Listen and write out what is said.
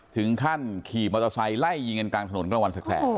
ถึงขั้นขี่มอเตอร์ไซค์ไล่ยิงกันกลางถนนกลางวันแสก